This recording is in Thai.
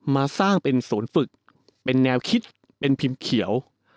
มาสร้างเป็นศูนย์ฝึกเป็นแนวคิดเป็นพิมพ์เขียว